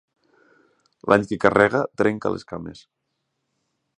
L'any que carrega, trenca les cames.